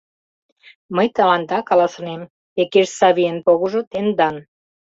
Мый тыланда каласынем: Пекеш Савийын погыжо — тендан.